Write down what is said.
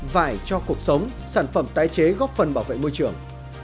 vải cho cuộc sống sản phẩm tái chế góp phần bảo vệ môi trường